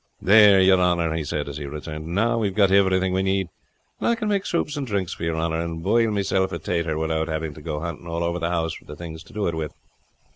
"There, your honor," he said as he returned. "Now we have got iverything we need, and I can make soups and drinks for your honor, and boil myself a tater widout having to go hunting all over the house for the things to do it with."